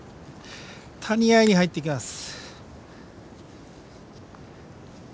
谷あいに入っていきます。